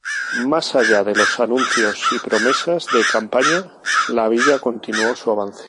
Más allá de los anuncios y promesas de campaña, la villa continuó su avance.